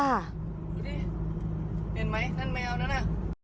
ดูสิเห็นไหมนั่นไม่เอาแล้วนะ